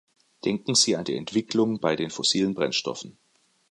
Denken Sie an die Entwicklung bei den fossilen Brennstoffen.